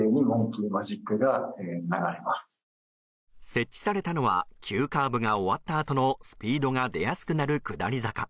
設置されたのは急カーブが終わったあとのスピードが出やすくなる下り坂。